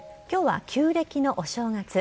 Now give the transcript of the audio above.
きょうは旧暦のお正月。